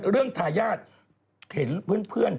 เรื่องทายาทเห็นเพื่อน